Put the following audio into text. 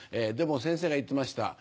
でも先生が言ってました。